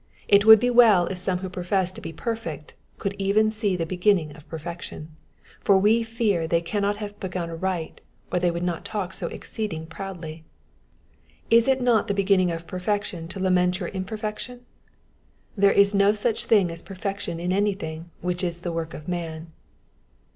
It would be well if some who profess to be perfect could even see the beginning of perfection, for we fear they cannot have begun aright, or they would not talk so exceeding proudly. Is it not the beginnmg of perfection to lament your imperfection ? There is no such thing as perfection in anything which is the work of man.